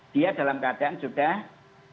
dia dalam keadaan juga ya